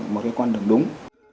một cái con đường đúng